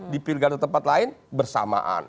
di pilkada tempat lain bersamaan